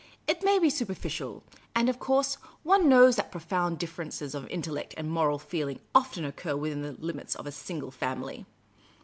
" It may be superficial. And, of course, one knows that profound differences of intellect and moral feeling often occur within the limits of a single family."